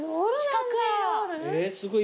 えすごい。